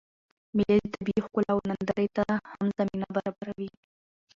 مېلې د طبیعي ښکلاوو نندارې ته هم زمینه برابروي.